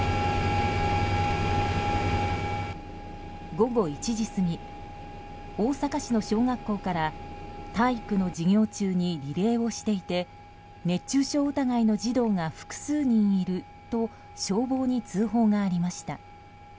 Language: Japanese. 午後１時過ぎ大阪市の小学校から体育の授業中にリレーをしていて熱中症疑いの児童が複数人いると消防に通報がありました。